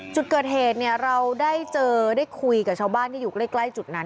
จุดเกิดเหตุเนี่ยเราได้เจอได้คุยกับชาวบ้านที่อยู่ใกล้จุดนั้น